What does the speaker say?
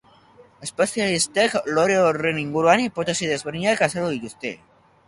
Espezialistek lore horren inguruan hipotesi desberdinak azaldu dituzte.